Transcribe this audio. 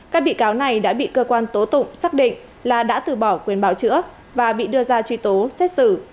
các bị cáo này đã bị cơ quan tố tụng xác định là đã từ bỏ quyền bảo chữa và bị đưa ra truy tố xét xử